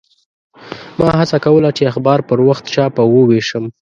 ما هڅه کوله چې اخبار پر وخت چاپ او ووېشم.